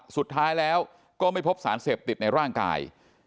สุดท้ายแล้วก็ไม่พบสารเสพติดในร่างกาย